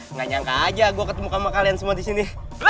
nggak nyangka aja gue ketemu ke sama kalian semua disini